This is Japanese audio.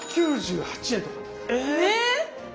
え